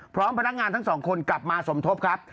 พร้อมพนักงานทั้งสองคนกลับมาสมทบครับ